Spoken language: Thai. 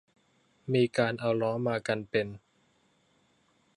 มีการเอาล้อมากันเป็น